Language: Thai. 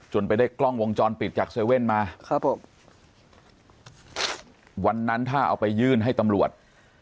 ไปได้กล้องวงจรปิดจากเซเว่นมาครับผมวันนั้นถ้าเอาไปยื่นให้ตำรวจ